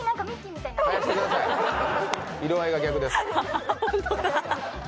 色合いが逆です。